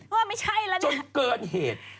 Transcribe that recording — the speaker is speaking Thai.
ว่าไม่ใช่แล้วนะจนเกินเหตุ